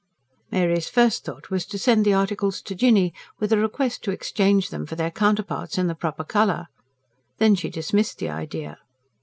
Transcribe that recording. Mary's first thought was to send the articles to Jinny with a request to exchange them for their counterparts in the proper colour. Then she dismissed the idea.